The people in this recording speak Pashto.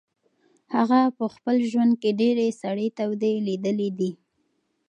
هغه په خپل ژوند کې ډېرې سړې تودې لیدلې دي.